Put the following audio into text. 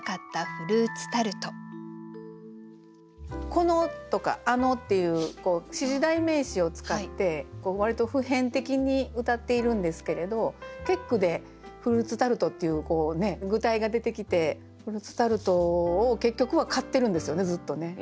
「この」とか「あの」っていう指示代名詞を使って割と普遍的にうたっているんですけれど結句で「フルーツタルト」っていう具体が出てきてフルーツタルトを結局は買ってるんですよねずっとね。